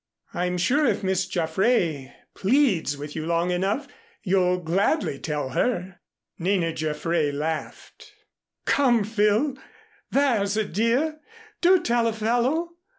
I'm sure if Miss Jaffray pleads with you long enough you'll gladly tell her." Nina Jaffray laughed. "Come, Phil, there's a dear. Do tell a fellow.